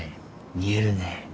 見えるね。